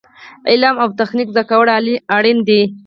علم او تخنیک زده کول اړین دي